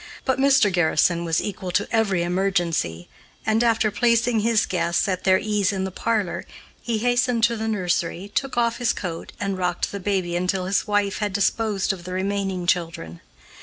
But Mr. Garrison was equal to every emergency, and, after placing his guests at their ease in the parlor, he hastened to the nursery, took off his coat, and rocked the baby until his wife had disposed of the remaining children.